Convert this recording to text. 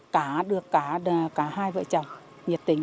cả được cả hai vợ chồng nhiệt tình